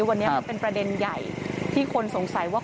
วันนี้มันเป็นประเด็นใหญ่ที่คนสงสัยว่า